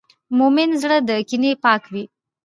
د مؤمن زړه له کینې پاک وي.